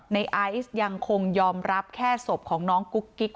ในไอซ์ยังคงยอมรับแค่ศพของน้องกุ๊กกิ๊ก